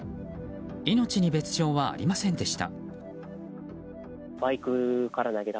命に別条はありませんでした。